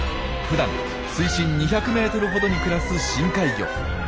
ふだん水深２００ｍほどに暮らす深海魚。